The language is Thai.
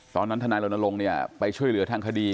ตอนนั้นธนาฬิรณารมณ์ลงไปช่วยเหลือทางคดี